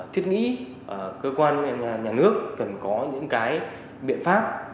thiết nghĩ cơ quan nhà nước cần có những cái biện pháp